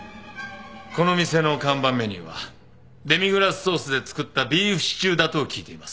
この店の看板メニューはデミグラスソースで作ったビーフシチューだと聞いています。